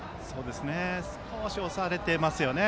少し押されてますよね。